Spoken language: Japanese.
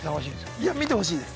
いや、見てほしいです。